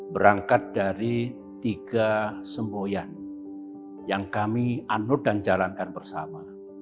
berangkat dari tiga semboyan yang kami anut dan jalankan bersama